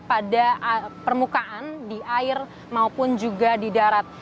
pada permukaan di air maupun juga di darat